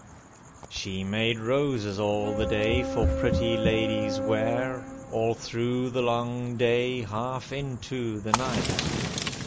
She made roses all the day for pretty ladies' wear, All through the long day, half into the night.